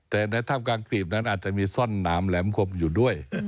แต่ในถ้ำกลางกรีบนั้นอาจจะมีซ่อนหนามแหลมคมอยู่ด้วย